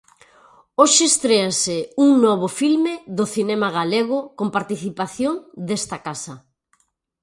Hoxe estréase un novo filme do cinema galego con participación desta casa.